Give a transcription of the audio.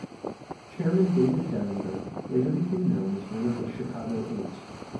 Chairman David Dellinger later became known as one of the Chicago Eight.